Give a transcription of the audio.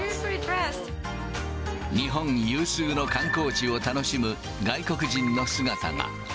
日本有数の観光地を楽しむ外国人の姿が。